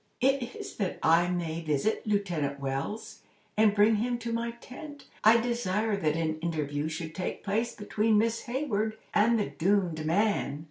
"It is that I may visit Lieutenant Wells, and bring him to my tent. I desire that an interview should take place between Miss Hayward and the doomed man."